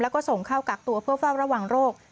แล้วก็ส่งเข้ากักตัวเพื่อเฝ้าระวังโรค